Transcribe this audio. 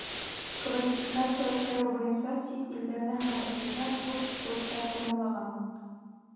Квалификация күтәреү буйынса сит илдәрҙә һәм Рәсәйҙә күп курстар тамамлаған.